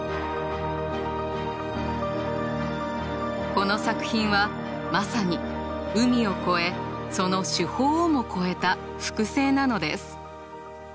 この作品はまさに海をこえその手法をも超えた複製なのです。